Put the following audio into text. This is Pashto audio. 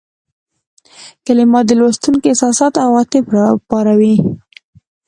کلمات د لوستونکي احساسات او عواطف را وپاروي.